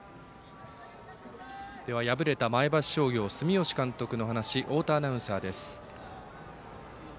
敗れた前橋商業、住吉監督の話太田アナウンサーです。